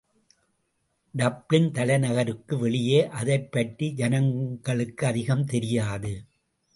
Dublin தலைநகருக்கு வெளியே அதைப்பற்றி ஜனங்களுக்கு அதிகம் தெரியாது.